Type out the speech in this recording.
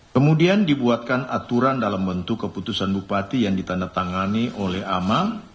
kemudian dibuatkan aturan dalam bentuk keputusan bupati yang ditandatangani oleh amam